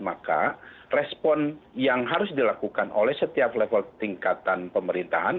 maka respon yang harus dilakukan oleh setiap level tingkatan pemerintahan